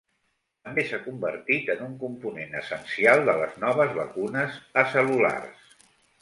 També s'ha convertit en un component essencial de les noves vacunes acel·lulars.